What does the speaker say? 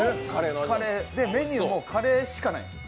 で、メニューはカレーしかない。